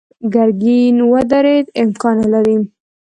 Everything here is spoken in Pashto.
ګرګين ودرېد: امکان نه لري.